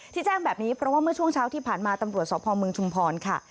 แจ้งแบบนี้เพราะว่าเมื่อช่วงเช้าที่ผ่านมาตำรวจสพเมืองชุมพรค่ะ